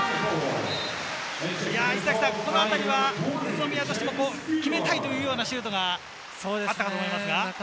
このあたりは宇都宮としても決めたいというシュートがあったかと思いますが。